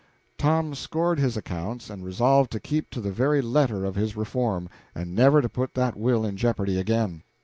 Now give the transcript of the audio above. Tom squared his accounts, and resolved to keep to the very letter of his reform, and never to put that will in jeopardy again.